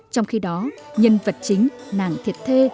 trong khi đó nhân vật chính nàng thiệt thê